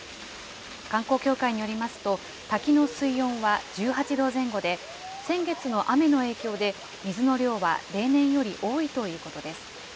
観光協会によりますと、滝の水温は１８度前後で、先月の雨の影響で、水の量は例年より多いということです。